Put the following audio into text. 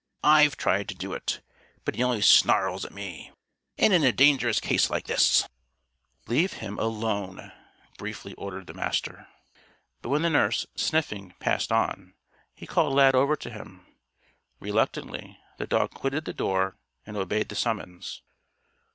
I've tried to do it, but he only snarls at me. And in a dangerous case like this " "Leave him alone," briefly ordered the Master. But when the nurse, sniffing, passed on, he called Lad over to him. Reluctantly, the dog quitted the door and obeyed the summons.